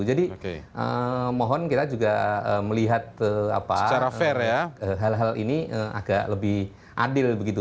jadi mohon kita juga melihat hal hal ini agak lebih adil begitu